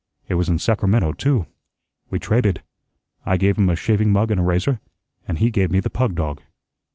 It was in Sacramento too. We traded. I gave him a shaving mug and a razor, and he gave me the pug dog."